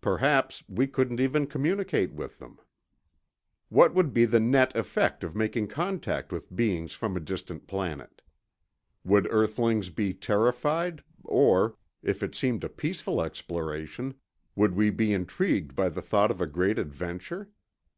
Perhaps we couldn't even communicate with them. What would be the net effect of making contact with beings from a distant planet? Would earthlings be terrified, or, if it seemed a peaceful exploration, would we bc intrigued by the thought of a great adventure?